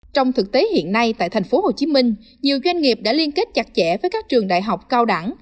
trong thực tế hiện nay tại thành phố hồ chí minh nhiều doanh nghiệp đã liên kết chặt chẽ với các trường đại học cao đẳng